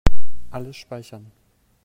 Alles speichern.